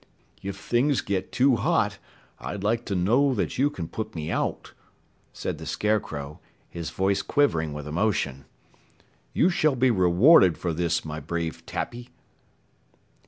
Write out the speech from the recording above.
"If things get too hot, I'd like to know that you can put me out," said the Scarecrow, his voice quivering with emotion. "You shall be rewarded for this, my brave Tappy."